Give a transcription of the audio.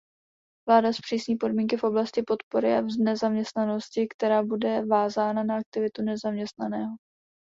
Vláda zpřísní podmínky v oblasti podpory v nezaměstnanosti, která bude vázána na aktivitu nezaměstnaného.